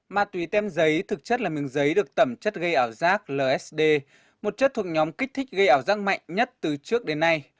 ma túy tem giấy thực chất là miếng giấy được tẩm chất gây ảo giác lsd một chất thuộc nhóm kích thích gây ảo giác mạnh nhất từ trước đến nay